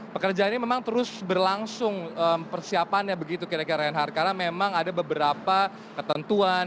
pekerjaan ini memang terus berlangsung persiapannya begitu kira kira reinhardt karena memang ada beberapa ketentuan